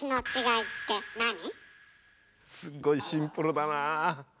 すっごいシンプルだな。